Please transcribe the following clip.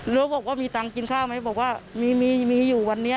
แล้วบอกว่ามีตังค์กินข้าวไหมบอกว่ามีมีอยู่วันนี้